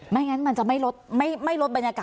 ไม่งั้นมันจะไม่ลดบรรยากาศ